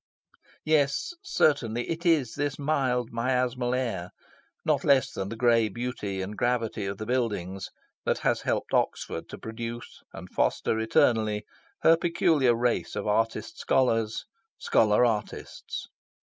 Yes, certainly, it is this mild, miasmal air, not less than the grey beauty and gravity of the buildings, that has helped Oxford to produce, and foster eternally, her peculiar race of artist scholars, scholar artists.